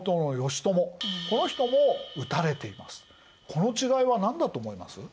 この違いは何だと思います？